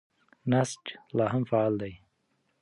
نسج لا هم فعال دی.